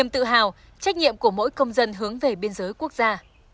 tự hào trách nhiệm của mỗi công dân hướng về biên giới quốc gia